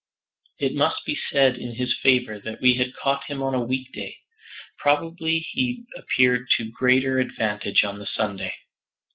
It must be said in his favor that we had caught him on a weekday; probably he appeared to greater advantage on the Sunday.